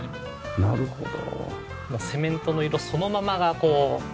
なるほどね。